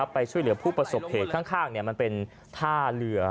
ไปช่วยเหลือผู้ประสบเหตุข้างมันเป็นท่าเรือ